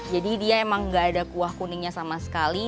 jadi dia emang enggak ada kuah kuningnya sama sekali